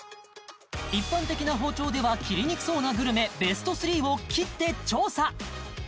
一般的な包丁では切りにくそうなグルメベスト３を切って調査！